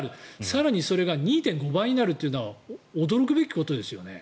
更にそれが２．５倍になるのは驚くべきことですよね。